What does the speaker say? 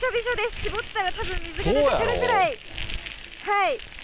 絞ったらたぶん水が出てくるぐらい。